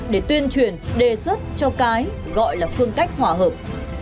để tuyên truyền đề xuất cho cái gọi là phương cách hòa hợp